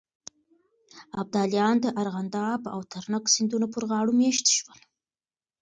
ابداليان د ارغنداب او ترنک سيندونو پر غاړو مېشت شول.